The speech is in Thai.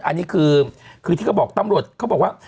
อันนี้คือที่เขาบอกตำรวจเขาบอกว่า